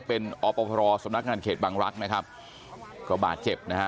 เป็นอพรสำนักงานเขตบางรักษ์นะครับก็บาดเจ็บนะฮะ